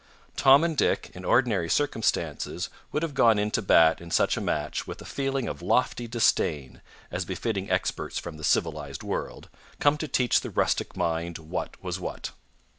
Tom and Dick, in ordinary circumstances, would have gone in to bat in such a match with a feeling of lofty disdain, as befitting experts from the civilised world, come to teach the rustic mind what was what.